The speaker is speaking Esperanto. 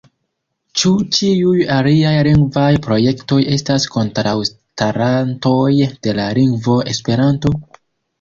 Ĉu ĉiuj aliaj lingvaj projektoj estas kontraŭstarantoj de la lingvo Esperanto?